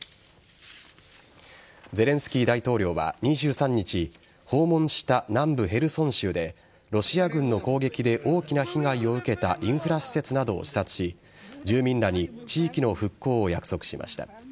ゼレンスキー大統領は２３日訪問した南部・ヘルソン州でロシア軍の攻撃で大きな被害を受けたインフラ施設などを視察し住民らに地域の復興を約束しました。